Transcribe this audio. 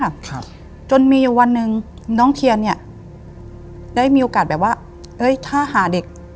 ครับจนมีอยู่วันหนึ่งน้องเทียนเนี้ยได้มีโอกาสแบบว่าเอ้ยถ้าหาเด็ก